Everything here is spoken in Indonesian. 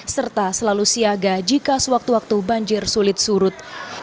serta selalu siaga jika sewaktu waktu banjir sulit surut